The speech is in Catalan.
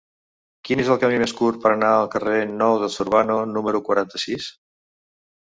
Quin és el camí més curt per anar al carrer Nou de Zurbano número quaranta-sis?